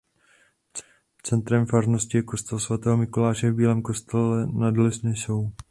Centrem farnosti je kostel svatého Mikuláše v Bílém Kostele nad Nisou.